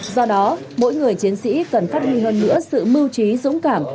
do đó mỗi người chiến sĩ cần phát huy hơn nữa sự mưu trí dũng cảm